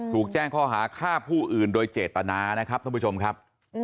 ถูกแจ้งข้อหาฆ่าผู้อื่นโดยเจตนานะครับท่านผู้ชมครับ